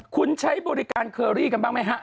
คุณใช้บริการเคอรี่กันบ้างไหมฮะ